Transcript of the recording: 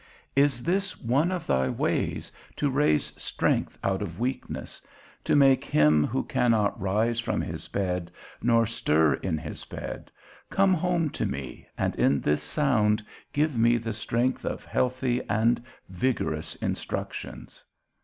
Is this one of thy ways, to raise strength out of weakness, to make him who cannot rise from his bed, nor stir in his bed, come home to me, and in this sound give me the strength of healthy and vigorous instructions?